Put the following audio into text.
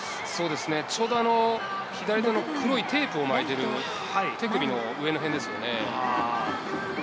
ちょうど左手の黒いテープを巻いている手首の上のへんですよね。